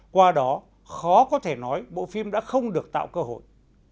qua đó khó có thể nói bộ phim đã không được tạo cơ hội